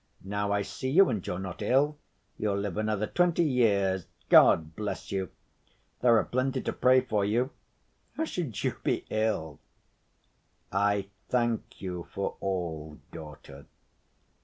Now I see you, and you're not ill! You'll live another twenty years. God bless you! There are plenty to pray for you; how should you be ill?" "I thank you for all, daughter."